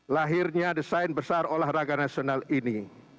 lahirnya desain besar olahraga nasional ini